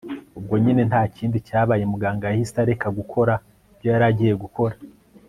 ubwo nyine ntakindi cyabaye, muganga yahise areka gukora ibyo yaragiye gukora